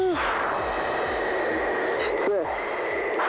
きつい。